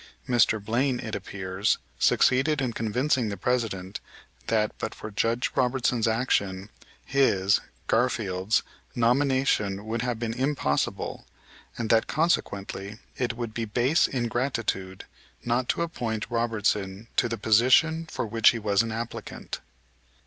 Mr. Blaine, it appears, succeeded in convincing the President that, but for Judge Robertson's action, his, Garfield's, nomination would have been impossible and that consequently it would be base ingratitude not to appoint Robertson to the position for which he was an applicant.